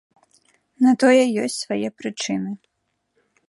На тое ёсць свае прычыны.